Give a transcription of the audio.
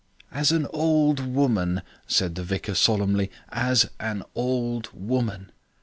"As an old woman," said the vicar solemnly, "as an old woman."